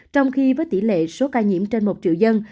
trong khi với tỷ lệ số ca nhiễm trên một triệu dân